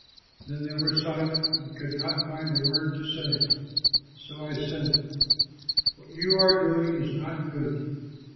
Then they were silent and could not find a word to say. So I said, "What you are doing is not good.